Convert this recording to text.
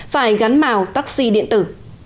phải gắn màu taxi điện tử